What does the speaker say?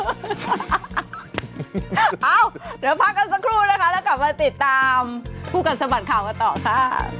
เอ้าเดี๋ยวพักกันสักครู่นะคะแล้วกลับมาติดตามคู่กัดสะบัดข่าวกันต่อค่ะ